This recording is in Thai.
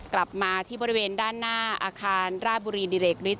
กลับมาที่บริเวณด้านหน้าอาคารราชบุรีดิเรกฤท